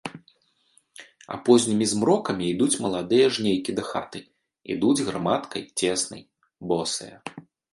А познімі змрокамі ідуць маладыя жнейкі дахаты, ідуць грамадкай цеснай, босыя.